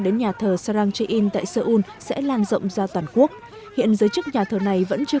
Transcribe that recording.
đến nhà thờ sarahing tại seoul sẽ lan rộng ra toàn quốc hiện giới chức nhà thờ này vẫn chưa